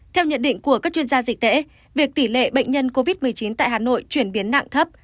theo nhận định của các chuyên gia dịch tễ việc tỷ lệ bệnh nhân covid một mươi chín tại hà nội chuyển biến nặng thấp